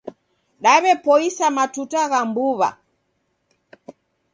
Daw'epoisa matuta gha mbuw'a